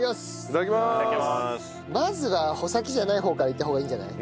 まずは穂先じゃない方からいった方がいいんじゃない？